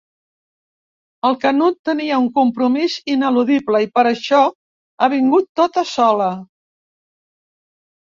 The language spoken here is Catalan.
El Canut tenia un compromís ineludible i per això ha vingut tota sola.